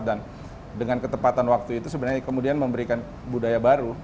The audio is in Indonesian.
dan dengan ketepatan waktu itu sebenarnya kemudian memberikan budaya baru